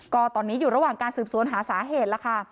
ก็ตอนนี้อยู่ระหว่างการสืบสวนหาสาเหตุแล้วค่ะ